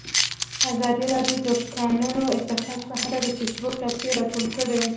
ازادي راډیو د د کانونو استخراج په اړه د فیسبوک تبصرې راټولې کړي.